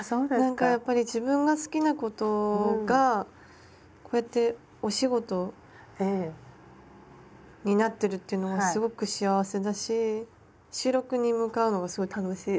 なんかやっぱり自分が好きなことがこうやってお仕事になってるっていうのがすごく幸せだし収録に向かうのがすごい楽しい。